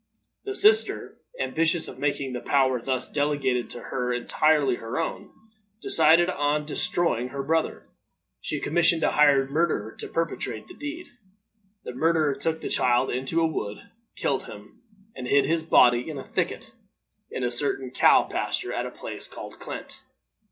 The sister, ambitious of making the power thus delegated to her entirely her own, decided on destroying her brother. She commissioned a hired murderer to perpetrate the deed. The murderer took the child into a wood, killed him, and hid his body in a thicket, in a certain cow pasture at a place called Clent.